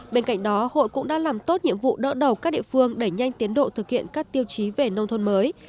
bên cạnh đó hội cũng đã làm tốt nhiệm vụ đỡ đầu các địa phương đẩy nhanh tiến độ thực hiện các tiêu chí về nông thôn mới